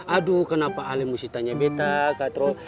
aduh kenapa ali mesti tanya beta kak trok